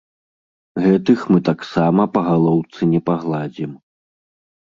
Гэтых мы таксама па галоўцы не пагладзім.